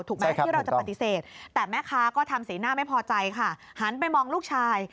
ถูกไหมที่เราจะปฏิเสธ